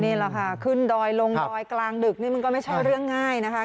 นี่แหละค่ะขึ้นดอยลงดอยกลางดึกนี่มันก็ไม่ใช่เรื่องง่ายนะคะ